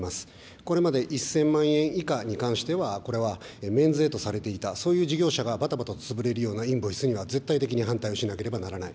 これまで１０００万円以下に関しては、これは免税とされていた、そういう事業者がばたばたと潰れるようなインボイスには絶対的に反対をしなければならない。